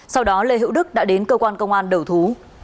sau đó lê hữu đức đã đến cơ quan công an đầu thú